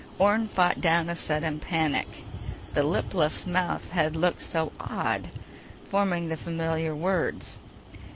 Orne fought down a sudden panic. The lipless mouth had looked so odd forming the familiar words.